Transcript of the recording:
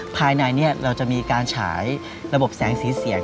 ภายในเราจะมีการฉายระบบแสงสีเสียง